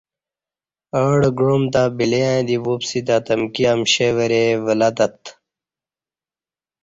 اہ ڈہ گعام تہ بلیاں دی وپسی تت امکی امشیں وری ولہ تت